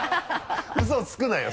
ウソつくなよ